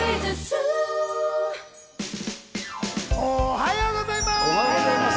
おはようございます。